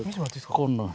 こんなの。